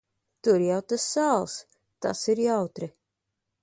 Tur jau tas sāls. Tas ir jautri.